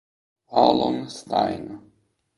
Alon Stein